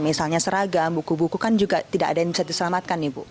misalnya seragam buku buku kan juga tidak ada yang bisa diselamatkan nih bu